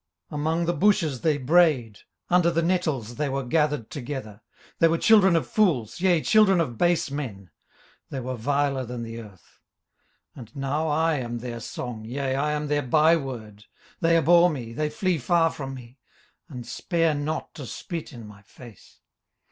18:030:007 Among the bushes they brayed; under the nettles they were gathered together. 18:030:008 They were children of fools, yea, children of base men: they were viler than the earth. 18:030:009 And now am I their song, yea, I am their byword. 18:030:010 They abhor me, they flee far from me, and spare not to spit in my face.